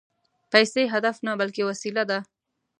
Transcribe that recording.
پیسې هدف نه، بلکې وسیله ده